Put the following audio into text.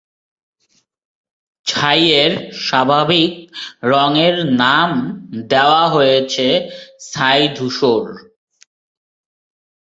ছাইয়ের স্বাভাবিক রঙের নাম দেয়া হয়েছে "ছাই-ধূসর"।